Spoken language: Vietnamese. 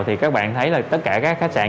thì các bạn thấy là tất cả các khách sạn